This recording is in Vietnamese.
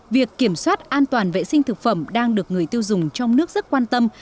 việc kiểm soát an toàn vệ sinh thực phẩm đang được người tiêu dùng trong nước rất quan tâm